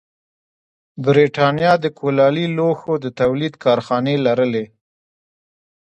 برېټانیا د کولالي لوښو د تولید کارخانې لرلې.